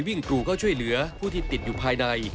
วิ่งกรูก็ช่วยเหลือผู้ที่ติดอยู่ภายใน